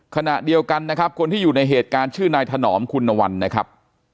ขณะเดียวกันนะครับคนที่อยู่ในเหตุการณ์ชื่อนายถนอมคุณวันนะครับ